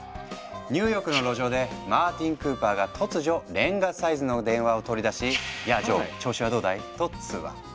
ニューヨークの路上でマーティン・クーパーが突如レンガサイズの電話を取り出し「やあジョー調子はどうだい？」と通話。